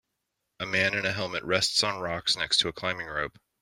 A man in a helmet rests on rocks next to a climbing rope.